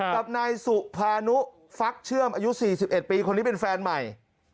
กับนายสุภานุฟักเชื่อมอายุ๔๑ปีคนนี้เป็นแฟนใหม่